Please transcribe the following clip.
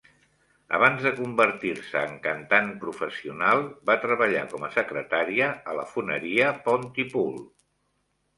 Abans de convertir-se en cantant professional, va treballar com a secretària a la foneria Pontypool.